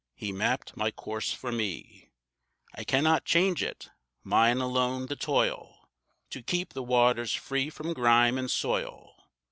He mapped my course for me; I cannot change it; mine alone the toil To keep the waters free from grime and soil.